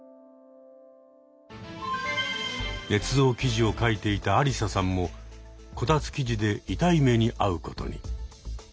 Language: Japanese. ねつ造記事を書いていたアリサさんもこたつ記事で痛い目にあうことに。